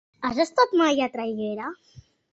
Has estat mai a Traiguera?